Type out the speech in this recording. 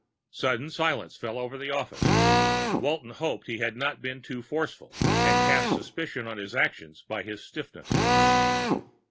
Sudden silence fell over the office. Walton hoped he had not been too forceful, and cast suspicion on his actions by his stiffness.